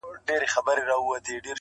• نعمتونه وه پرېمانه هر څه ښه وه -